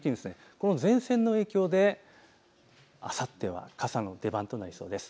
この前線の影響であさっては傘の出番となりそうです。